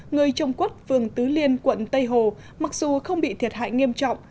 người trồng quất phường tứ liên quận tây hồ mặc dù không bị thiệt hại nghiêm trọng